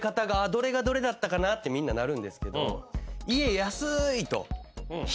どれがどれだったかなってみんななるんですけど。